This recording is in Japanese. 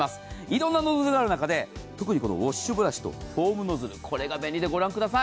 いろんなノズルがある中で、特にウォッシュノズルとフォームノズル、これが便利です。